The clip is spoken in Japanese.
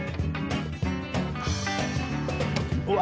うわ！